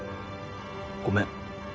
ごめん。